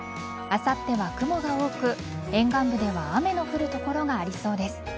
あさっては雲が多く沿岸部では雨の降る所がありそうです。